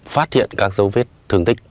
phát hiện các dấu vết thương tích